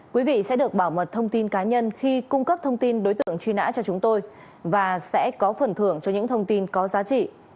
quý vị sẽ được bảo mật thông tin cá nhân khi cung cấp thông tin đối tượng truy nã cho chúng tôi và sẽ có phần thưởng cho những thông tin có giá trị